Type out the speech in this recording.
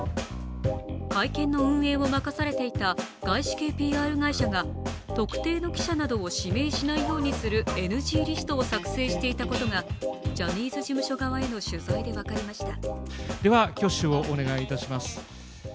会見の運営を任されていた外資系ＰＲ会社が特定の記者などを指名しないようにするＮＧリストを作成していたことがジャニーズ事務所側への取材で分かりました。